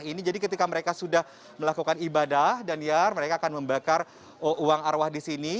ini jadi ketika mereka sudah melakukan ibadah dan mereka akan membakar uang arwah di sini